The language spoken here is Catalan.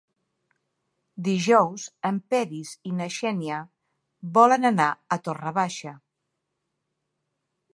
Dijous en Peris i na Xènia volen anar a Torre Baixa.